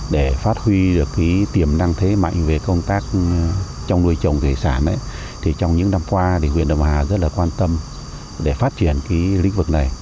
để phát huy được tiềm năng thế mạnh về công tác trong nuôi trồng thủy sản thì trong những năm qua huyện đầm hà rất là quan tâm để phát triển lĩnh vực này